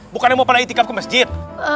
bukan yang mau pindah ke masjid